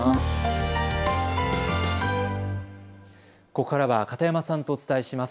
ここからは片山さんとお伝えします。